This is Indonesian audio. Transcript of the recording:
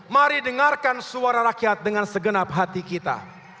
mari dengarkan suara rakyat dengan segenap hati kita